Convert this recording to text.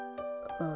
ああ。